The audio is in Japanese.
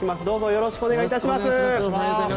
どうぞよろしくお願い致します。